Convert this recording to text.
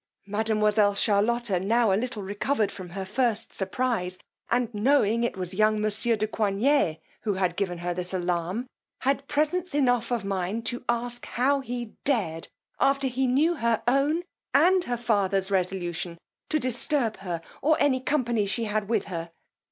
Mademoiselle Charlotta, now a little recovered from her first, surprize, and knowing it was young monsieur de Coigney who had given her this alarm, had presence enough of mind to ask how he dared, after he knew her own and father's resolution, to disturb her, or any company she had with her?